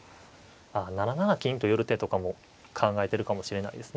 ああ７七金と寄る手とかも考えてるかもしれないですね。